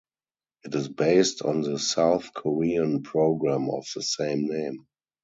It is based on the South Korean program of the same name.